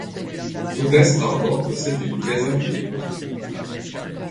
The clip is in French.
Douglas Harbour possède une caserne de pompiers.